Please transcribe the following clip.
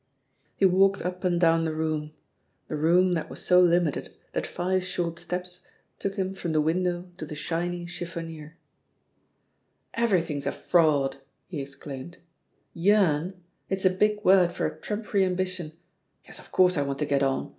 He walked up and down the room, the room €t € f&% THE POSITION OF PEGGY HARPER that was so limited that five short steps took him from the window to the shiny chiffonier. Everything's a fraud 1" he exclaimed. Yearn' ? It's a big word for a trmnpery am bition. Yes, of course, I want to get on.